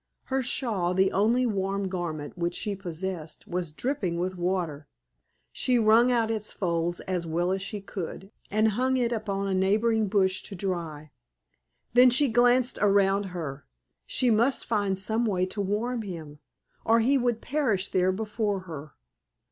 Her shawl, the only warm garment which she possessed, was dripping with water; she wrung out its folds as well as she could, and hung it upon a neighboring bush to dry. Then she glanced around her; she must find some way to warm him, or he would perish there before her.